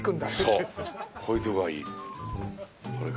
そう、こういうところがいい。